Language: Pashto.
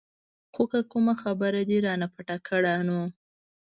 خو که کومه خبره دې رانه پټه کړه نو.